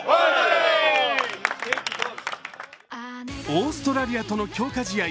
オーストラリアとの強化試合